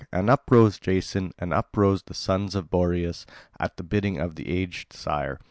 And up rose Jason and up rose the sons of Boreas at the bidding of the aged sire.